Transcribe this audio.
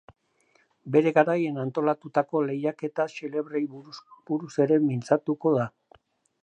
Bere garaian antolatutako lehiaketa xelebreei buruz ere mintzatuko da.